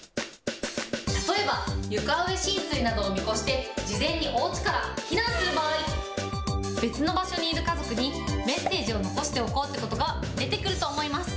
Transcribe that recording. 例えば、床上浸水などを見越して、事前におうちから避難する場合、別の場所にいる家族にメッセージを残しておこうってことが出てくると思います。